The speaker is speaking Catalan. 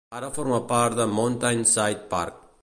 Ara forma part de "Mountain Side Park".